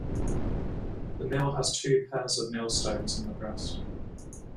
The mill has two pairs of millstones in the breast.